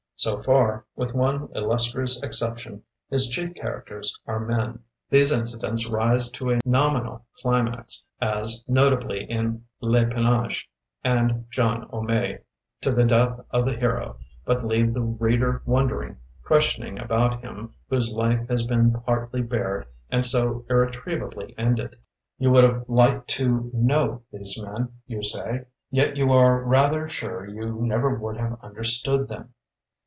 So far, with one illustrious exception, his chief characters are men. These inci MAXWELL STRUTHERS BURT 57 dents rise to a nominal climax, as no tably in "Le Panache" and "John O'May", to the death of the hero, but leave the reader wondering, question ing about him whose life has been partly bared and so irretrievably ended. You would have liked to know these men, you say ; yet you are rather sure you never would have understood them.